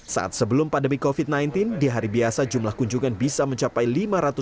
saat sebelum pandemi covid sembilan belas di hari biasa jumlah kunjungan bisa mencapai lima ratus